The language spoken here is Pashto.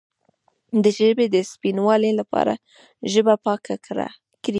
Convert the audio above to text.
د ژبې د سپینوالي لپاره ژبه پاکه کړئ